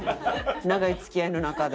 長い付き合いの中で？